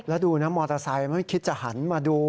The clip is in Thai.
แล้วดูนะมอเตอร์ไซค์ไม่คิดจะหันมาดู